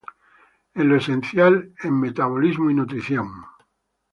En, Lo Esencial en Metabolismo y Nutrición.